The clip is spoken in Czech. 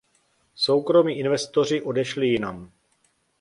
Soukromí investoři odešli jinam.